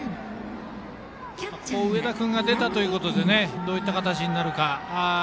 上田君が出たことでどういった形になるか。